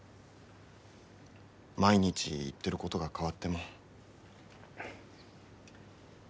毎日言ってることが変わっても。